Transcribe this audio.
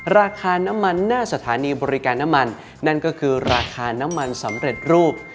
ราคาน้ำมันหน้าสถานีบริการน้ำมันนั่นก็คือราคาน้ำมันสำเร็จรูป